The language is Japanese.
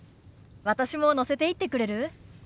私も乗せていってくれる？